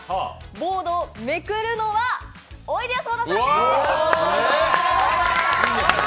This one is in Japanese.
ボードをめくるのはおいでやす小田さんです。